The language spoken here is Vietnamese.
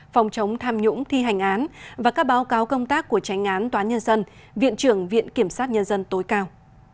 phòng chống tham nhũng thi hành án và các báo cáo công tác của tranh án toán nhân dân viện trưởng viện kiểm sát nhân dân tối cao